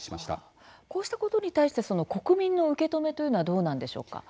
こうしたことに対して国民の受け止めというのはどうなんでしょうか。